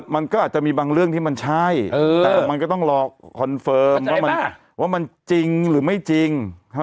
มันก็อาจจะมีบางเรื่องที่มันใช่แต่มันก็ต้องรอคอนเฟิร์มว่ามันจริงหรือไม่จริง